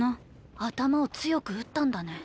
頭を強く打ったんだね。